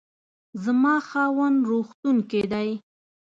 زما خاوند روغتون کې دی